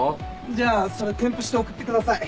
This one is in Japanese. じゃあそれ添付して送ってください。